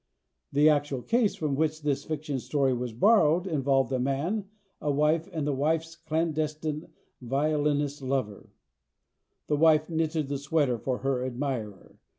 The actual case from which this fiction story was borrowed involved a man, a wife, and the wife's clandestine violinist lover. The wife knitted the sweater for her admirer.